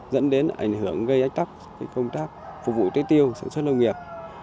dẫn đến ảnh hưởng gây ách tắc công tác phục vụ tế tiêu sản xuất nông nghiệp